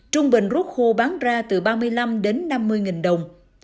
trung bình rút khô bán ra từ ba mươi năm đến năm mươi nghìn đồng